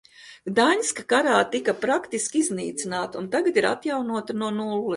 Gdaņska karā tika praktiski iznīcināta un tagad ir atjaunota no nulles.